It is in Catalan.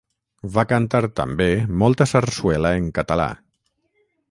Va cantar també molta sarsuela en català.